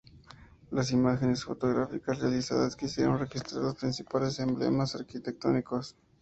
Las imágenes fotográficas realizadas, quisieron registrar los principales emblemas arquitectónicos.